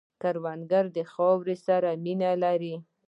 کروندګر د خاورې سره مینه لري